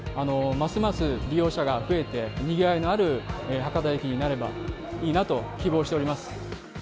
ますます利用者が増えて、にぎわいのある博多駅になればいいなと希望しております。